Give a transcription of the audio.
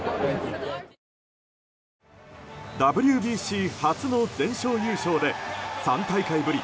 ＷＢＣ初の全勝優勝で３大会ぶり